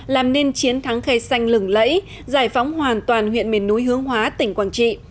làm nên chiến thắng khe xanh lửng lẫy giải phóng hoàn toàn huyện miền núi hướng hóa tỉnh quảng trị